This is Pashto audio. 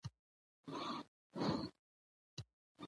دځنګل حاصلات د افغانستان د پوهنې په نصاب کې شامل دي.